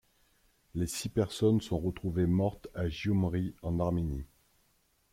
Le six personnes sont retrouvées mortes à Gyumri en Arménie.